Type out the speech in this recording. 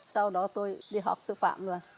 sau đó tôi đi học sư phạm luôn